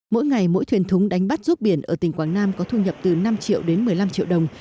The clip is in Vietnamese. mỗi ngày mỗi thuyền thúng đánh bắt ruốc biển ở tỉnh quảng nam có thu nhập từ năm triệu đến một mươi năm triệu đồng